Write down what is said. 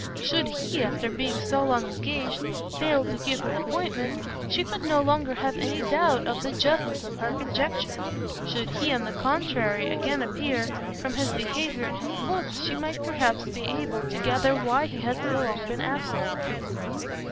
Should he, after being so long engaged, fail to keep his appointment, she could no longer have any doubt of the justice of her conjecture; should he, on the contrary, again appear, from his behaviour and his looks she might perhaps be able to gather why he had so long been absent.